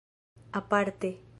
aparte